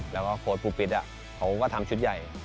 แล้วก็โค้ดภูปิตเขาก็ทำชุดใหญ่